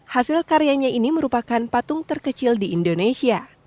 hasil karyanya ini merupakan patung terkecil di indonesia